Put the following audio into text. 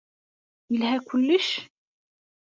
Yelha kullec?